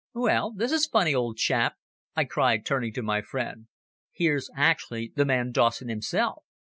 "Well! This is funny, old chap," I cried turning to my friend. "Here's actually the man Dawson himself."